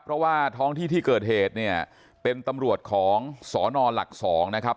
เพราะว่าท้องที่ที่เกิดเหตุเนี่ยเป็นตำรวจของสนหลัก๒นะครับ